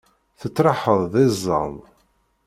Tettraḥeḍ d iẓẓan.